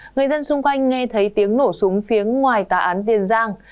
người dân xung quanh nghe thấy tiếng nổ súng phía ngoài tòa án tiền giang